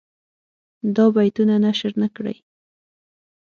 دا بیتونه نشر نه کړي.